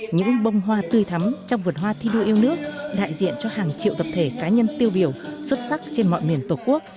những bông hoa tươi thắm trong vườn hoa thi đua yêu nước đại diện cho hàng triệu tập thể cá nhân tiêu biểu xuất sắc trên mọi miền tổ quốc